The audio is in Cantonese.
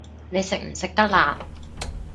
你食唔食得辣